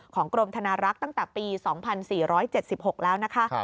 กรมธนารักษ์ตั้งแต่ปี๒๔๗๖แล้วนะคะ